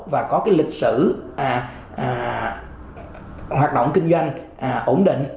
và có cái lịch sử hoạt động kinh doanh ổn định